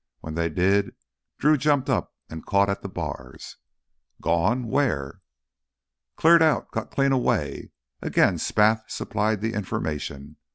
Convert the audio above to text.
When they did, Drew jumped up and caught at the bars. "Gone? Where?" "Cleared out—got clean away." Again Spath supplied the information.